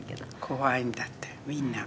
「怖いんだってみんな」